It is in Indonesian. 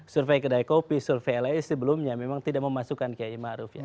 survei kedai kopi survei lainnya sebelumnya memang tidak memasukkan kiai ma'ruf ya